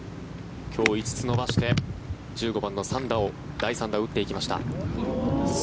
今日５つ伸ばして１５番の３打を第３打、打っていきました。